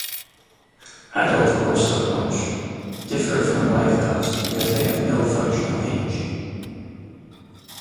Adult rostroconchs differ from bivalves because they have no functional hinge.